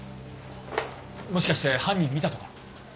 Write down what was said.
もしかして犯人見たとか？